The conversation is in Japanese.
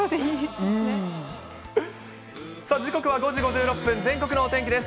さあ、時刻は５時５６分、全国のお天気です。